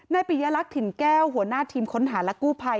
ปิยลักษณ์ถิ่นแก้วหัวหน้าทีมค้นหาและกู้ภัย